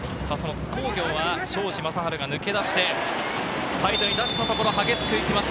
津工業は庄司壮晴が抜け出して、サイドに出したところ、激しく行きました。